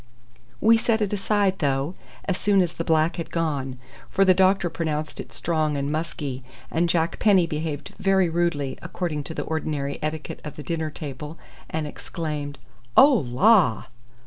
We set it aside, though, as soon as the black had gone, for the doctor pronounced it strong and musky, and Jack Penny behaved very rudely, according to the ordinary etiquette of the dinner table, and exclaimed: "Oh, law!"